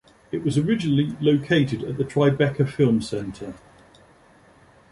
It was originally located at the Tribeca Film Center.